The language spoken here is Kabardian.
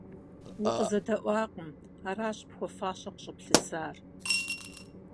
УкъызэдэӀуакъым, аращ пхуэфащэ къыщӀыплъысар.